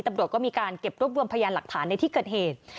ตำรวจก็มีการเก็บรวบรวมพยานหลักฐานในที่เกิดเหตุ